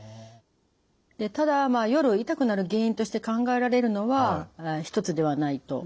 でただ夜痛くなる原因として考えられるのは一つではないと思います。